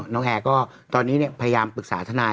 แอร์ก็ตอนนี้พยายามปรึกษาทนาย